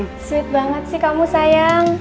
sulit banget sih kamu sayang